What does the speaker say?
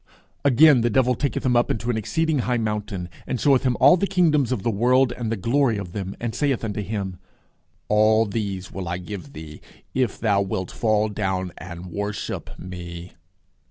Again, the devil taketh him up into an exceeding high mountain, and showeth him all the kingdoms of the world, and the glory of them: and saith unto him, All these things will I give thee, if thou wilt fall down and worship me.